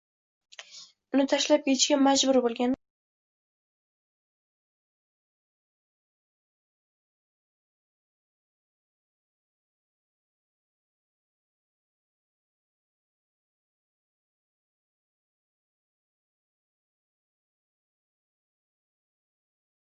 Mehnat faxriylari sayohatdan mamnun bo‘ldi